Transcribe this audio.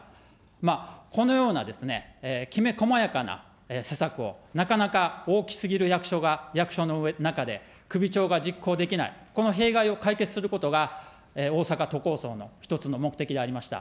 まあ、このようなですね、きめ細やかな施策を、なかなか、大きすぎる役所が、役所の中で、首長が実行できない、この弊害を解決することが、大阪都構想の一つの目的でありました。